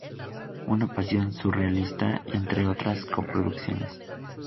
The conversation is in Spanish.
Una pasión surrealista", entre otras coproducciones.